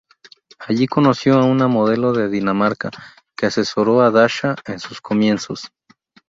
Allí conoció a una modelo de Dinamarca que asesoró a Dasha en sus comienzos.